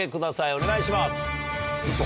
お願いします。